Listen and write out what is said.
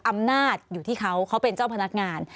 อำนาจอยู่ที่เขาเขาเป็นเจ้าพนักงาน